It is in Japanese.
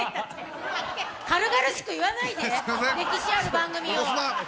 軽々しく言わないで、歴史ある番組を。